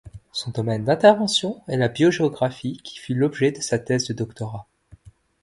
Son domaine d'intervention est la biogéographie qui fut l'objet de sa thèse de Doctorat.